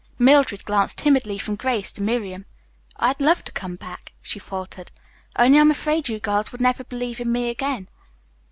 Mildred glanced timidly from Grace to Miriam. "I'd love to come back," she faltered, "only I'm afraid you girls would never believe in me again."